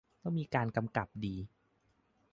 ต้องมีการกำกับดี